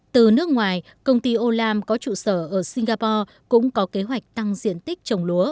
từ nước ngoài công ty olam có trụ sở ở singapore cũng có kế hoạch tăng diện tích trồng lúa